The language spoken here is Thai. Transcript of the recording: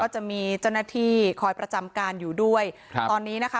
จะมีเจ้าหน้าที่คอยประจำการอยู่ด้วยครับตอนนี้นะคะ